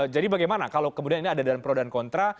jadi bagaimana kalau kemudian ini ada dan pro dan kontra